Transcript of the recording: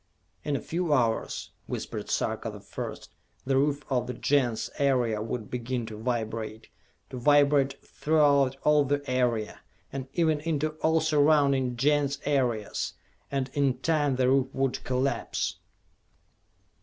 "In a few hours," whispered Sarka the First, "the roof of the Gens area would begin to vibrate, to vibrate throughout all the area, and even into all surrounding Gens areas and in time the roof would collapse!"